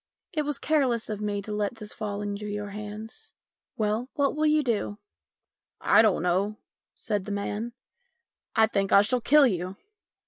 It was careless of me to let this fall into your hands. Well, what will you do ?"" I don't know," said the man. " I think I shall kill you."